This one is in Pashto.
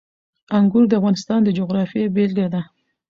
انګور د افغانستان د جغرافیې بېلګه ده.